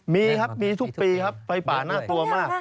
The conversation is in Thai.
มีครับมีทุกปีครับไฟป่าน่ากลัวมาก